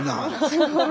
すごい。